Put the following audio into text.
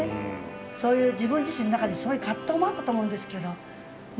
そういう自分自身の中ですごい葛藤もあったと思うんですけどま